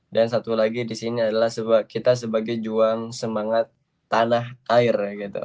dan satu lagi disini adalah kita sebagai juang semangat tanah air gitu